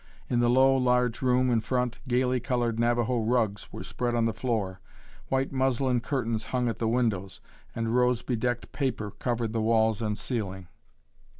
In the low, large room in front gayly colored Navajo rugs were spread on the floor, white muslin curtains hung at the windows, and rose bedecked paper covered the walls and ceiling.